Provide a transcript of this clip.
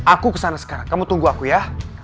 aku kesana sekarang kamu tunggu aku ya